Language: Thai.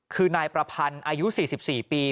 คือนายประพันธ์อายุ๔๔ปี